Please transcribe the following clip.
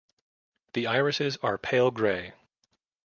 The irises are pale grey.